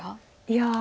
いや。